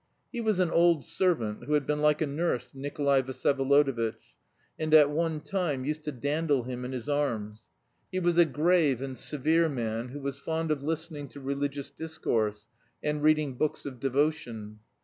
He was an old servant, who had been like a nurse to Nikolay Vsyevolodovitch, and at one time used to dandle him in his arms; he was a grave and severe man who was fond of listening to religious discourse and reading books of devotion.